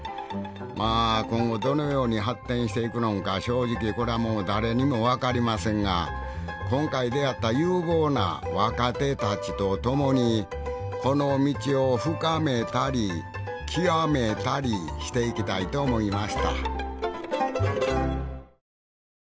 まあ今後どのように発展していくのんか正直これはもう誰にも分かりませんが今回出会った有望な若手たちと共にこの道を深めたり極めたりしていきたいと思いました